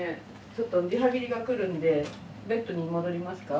ちょっとリハビリが来るんでベッドに戻りますか？